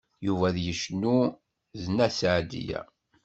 Yuba ad yecnu d Nna Seɛdiya.